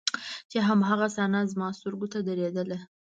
چې هماغه صحنه زما سترګو ته درېدله.